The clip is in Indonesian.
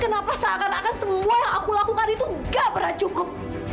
kenapa seakan akan semua yang aku lakukan itu gak pernah cukup